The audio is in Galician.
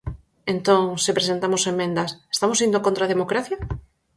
Entón, se presentamos emendas, ¿estamos indo contra a democracia?